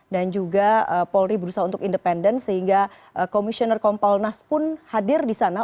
dan juga polri berusaha untuk independen sehingga komisioner kompolnas pun hadir di sana